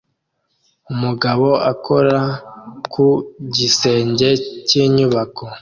Umugabo akora ku gisenge cy'inyubako